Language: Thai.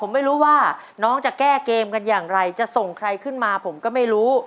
ผมไม่รู้ว่าน้องจะแก้เกมกันอย่างไรจะส่งใครขึ้นมาผมก็ไม่รู้